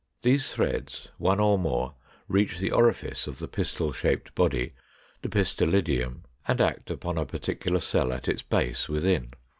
These threads, one or more, reach the orifice of the pistil shaped body, the Pistillidium, and act upon a particular cell at its base within.